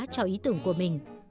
cho ý tưởng của mình